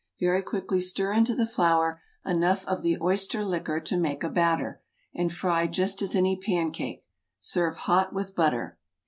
Very quickly stir into the flour enough of the oyster liquor to make a batter, and fry just as any pancake; serve hot with butter.